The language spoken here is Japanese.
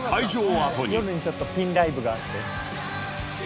「夜にちょっとピンライブがあって」